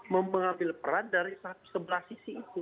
mengambil peran dari sebelah sisi itu